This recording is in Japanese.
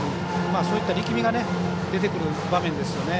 そういった力みが出てくる場面ですよね。